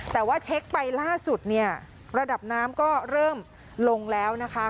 แต่ว่าเช็คไปล่าสุดเนี่ยระดับน้ำก็เริ่มลงแล้วนะคะ